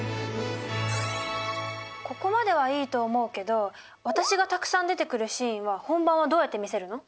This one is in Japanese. ここまではいいと思うけど私がたくさん出てくるシーンは本番はどうやって見せるの？